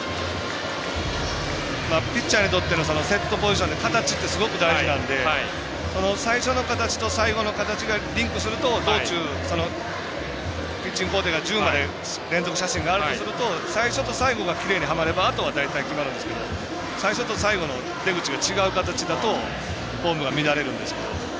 ピッチャーにとってのセットポジションその形って、すごく大事なので最初の形と最後の形リンクすると道中、ピッチング工程の１０の写真があるとしたら最初と最後が、きれいにはまればあとは大体、決まるんですけど最初と最後の出口が違う形だとフォームが乱れるんですけど。